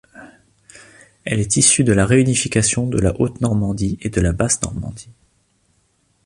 Elle est issue de la réunification de la Haute-Normandie et de la Basse-Normandie.